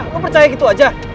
lu percaya gitu aja